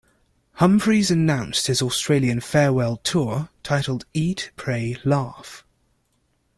Humphries announced his Australian "Farewell Tour", titled "Eat, Pray, Laugh!